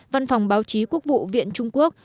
văn phòng báo chí quốc vụ viện trung quốc